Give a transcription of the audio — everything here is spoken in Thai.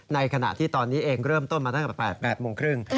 ในขณะที่ตอนนี้เองเริ่มต้นมาตั้งแต่๘โมงครึ่ง